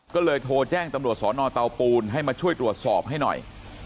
ก็เลยโทรแจ้งตำรวจสอนอเตาปูนให้มาช่วยตรวจสอบให้หน่อย